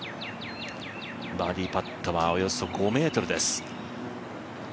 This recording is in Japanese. バーディーパットはおよそ５ｍです。